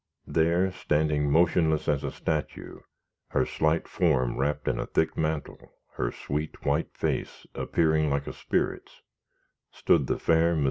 There, standing motionless as a statue, her slight form wrapped in a thick mantle, her sweet, white face appearing like a spirit's, stood the fair, mysterious captive.